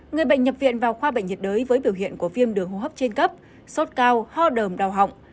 người bệnh nhập viện vào khoa bệnh nhiệt đới với biểu hiện của viêm đường hô hấp trên cấp sốt cao ho đờm đau họng